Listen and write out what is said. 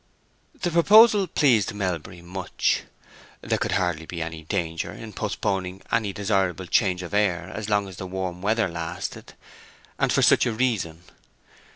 The proposal pleased Melbury much. There could be hardly any danger in postponing any desirable change of air as long as the warm weather lasted, and for such a reason.